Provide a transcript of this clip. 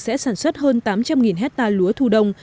sẽ sản xuất hơn tám trăm linh hectare lúa thu đông